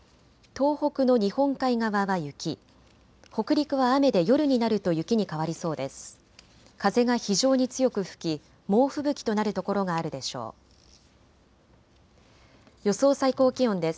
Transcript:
東北の日本海側は雪、北陸は雨で夜になると雪に変わりそうです。